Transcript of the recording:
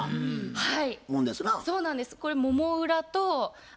はい。